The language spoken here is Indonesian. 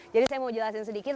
jadi saya mau jelasin sedikit